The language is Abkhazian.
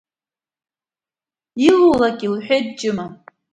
Илулак илҳәеит Ҷыма.